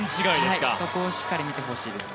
そこをしっかり見てほしいです。